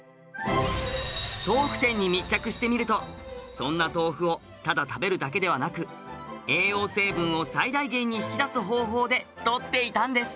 豆腐店に密着してみるとそんな豆腐をただ食べるだけではなく栄養成分を最大限に引き出す方法でとっていたんです。